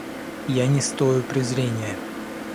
Я не стою презрения.